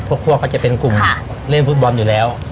พวกเขาจะเป็นกลุ่มเล่นฟุตบอลอยู่แล้ว